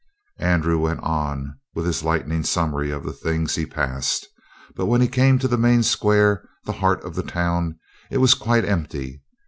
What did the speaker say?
Andrew went on with his lightning summary of the things he passed. But when he came to the main square, the heart of the town, it was quite empty.